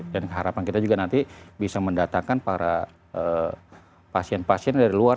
dan harapan kita juga nanti bisa mendatangkan para pasien pasien dari luar